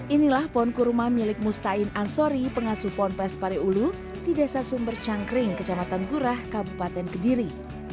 inilah pohon kurma milik mustain ansori pengasuh pohon pes pareulu di desa sumber cangkring kecamatan gurah kabupaten kediri